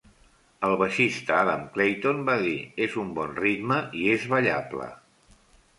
El baixista Adam Clayton va dir És un bon ritme i és ballable.